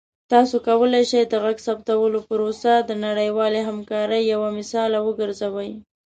تاسو کولی شئ د غږ ثبتولو پروسه د نړیوالې همکارۍ یوه مثاله وګرځوئ.